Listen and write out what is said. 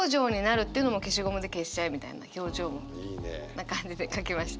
な感じで書きました。